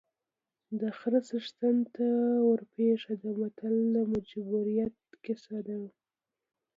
د خره څښتن ته ورپېښه ده متل د مجبوریت کیسه ده